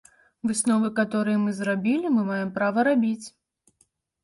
Высновы, каторыя мы зрабілі, мы маем права рабіць.